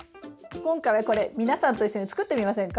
今回はこれ皆さんと一緒に作ってみませんか？